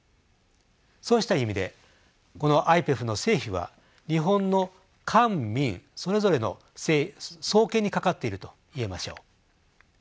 そうした意味でこのＩＰＥＦの成否は日本の官民それぞれの双肩にかかっていると言えましょう。